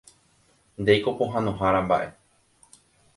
Ndéiko pohãnohára mba'e.